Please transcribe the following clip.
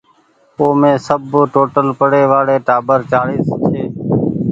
اومي سب ٽوٽل پڙي وآڙي ٽآٻر چآڙيس ڇي۔